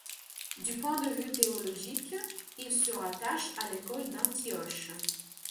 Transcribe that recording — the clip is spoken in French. Du point de vue théologique, il se rattache à l'École d'Antioche.